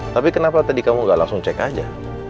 tapi kenapa tadi kamu gak langsung cek aja